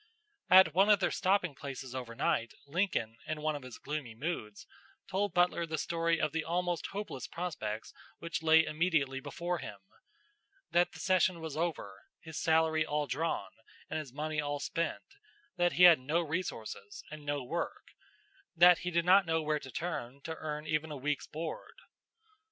At one of their stopping places over night Lincoln, in one of his gloomy moods, told Butler the story of the almost hopeless prospects which lay immediately before him that the session was over, his salary all drawn, and his money all spent; that he had no resources and no work; that he did not know where to turn to earn even a week's board.